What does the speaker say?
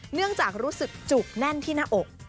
เนื่องจากรู้สึกจุกแน่นที่หน้าอก